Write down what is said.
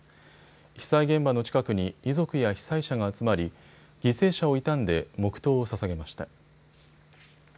被災現場の近くに遺族や被災者が集まり犠牲者を悼んで黙とうをささげました。